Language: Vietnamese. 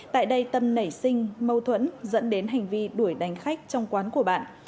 tại đây tâm nảy sinh mâu thuẫn dẫn đến hành vi đuổi đánh khách trong quán của bạn